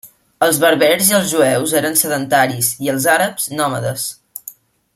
Els berbers i jueus eren sedentaris i els àrabs nòmades.